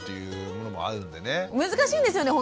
難しいんですよね